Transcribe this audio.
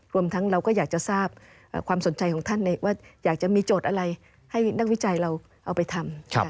รวมทั้งเราก็อยากจะทราบความสนใจของท่านว่าอยากจะมีโจทย์อะไรให้นักวิจัยเราเอาไปทำ